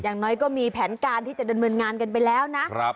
อย่างน้อยก็มีแผนการที่จะดำเนินงานกันไปแล้วนะ